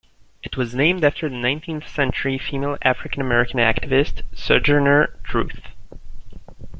It was named after the nineteenth century female African American activist, Sojourner Truth.